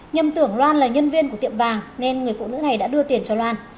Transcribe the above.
nhầm tưởng loan là nhân viên của tiệm vàng nên người phụ nữ này đã đưa tiền cho loan